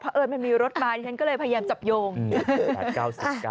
เพราะเอิญมันมีรถมาดิฉันก็เลยพยายามจับโยง